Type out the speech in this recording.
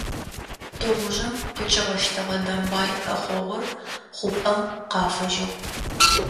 Тыгъужъым къыкӏигъэщтэгъэ домбай ӏэхъогъур хъупӏэм къафыжьыгъ.